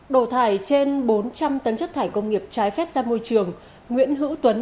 đổ thải trên bốn trăm linh tấn chất thải công nghiệp trái phép ra môi trường nguyễn hữu tuấn